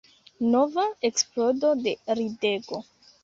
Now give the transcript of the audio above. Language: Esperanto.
Nova eksplodo de ridego.